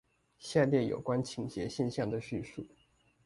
下列有關傾斜現象的敘述